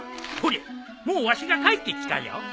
ほれもうわしが書いてきたよ。